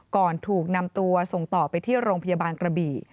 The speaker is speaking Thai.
ก่อนถูกนำตัวส่งต่อไปที่โรงพยาบาลกระบี่